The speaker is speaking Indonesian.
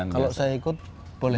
kalau saya ikut boleh